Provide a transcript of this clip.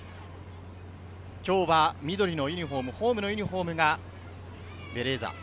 今日は緑のユニホーム、ホームのユニホームがベレーザ。